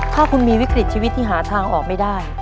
ถ้าคุณมีวิกฤตชีวิตที่หาทางออกไม่ได้